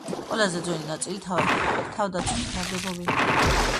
ყველაზე ძველი ნაწილი თავდაცვითი ნაგებობებია.